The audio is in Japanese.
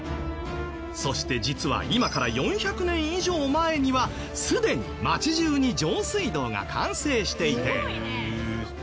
そして実は今から４００年以上前にはすでに町中に上水道が完成していて。